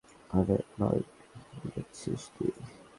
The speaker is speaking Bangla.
আরে মাল গিলেছিস তুই?